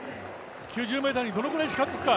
９０ｍにどのくらい近づくか。